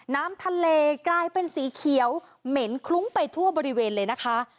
น้ำทะเลกลายเป็นสีเขียวเหม็นคลุ้งไปทั่วบริเวณเลยนะคะ